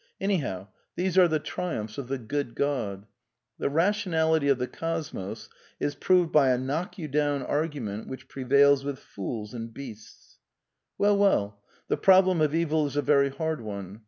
Anyhow, these are the triumphs of the Good God. The rationality of the cosmos is proved by a knock you down argument which prevails with fools and beasts 1 Well, well, the problem of Evil is a very hard one.